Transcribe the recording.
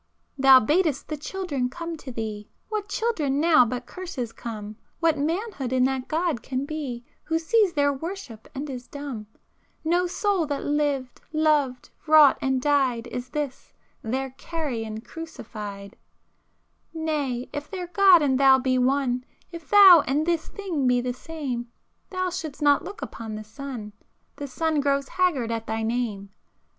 Thou bad'st the children come to thee,— What children now but curses come, What manhood in that God can be Who sees their worship and is dumb?— No soul that lived, loved, wrought, and died Is this, their Carrion Crucified! [p 408] Nay, if their God and thou be one If thou and this thing be the same, Thou should'st not look upon the sun, The sun grows haggard at thy name!